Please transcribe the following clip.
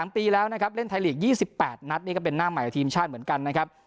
๓ปีแล้วนะครับเล่นไทยลีก๒๘นัดนี่ก็เป็นหน้าใหม่ทีมชาติเหมือนกันนะครับ